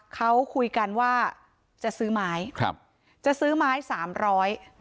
เขาคุยกันว่าจะซื้อไม้ครับจะซื้อไม้สามร้อย